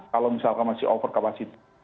kalau misalkan masih over capacity